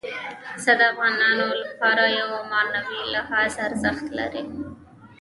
پسه د افغانانو لپاره په معنوي لحاظ ارزښت لري.